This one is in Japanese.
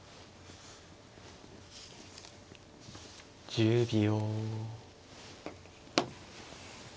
１０秒。